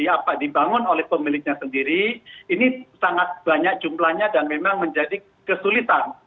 apa dibangun oleh pemiliknya sendiri ini sangat banyak jumlahnya dan memang menjadi kesulitan